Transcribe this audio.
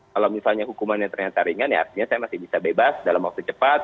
kalau misalnya hukumannya ternyata ringan ya artinya saya masih bisa bebas dalam waktu cepat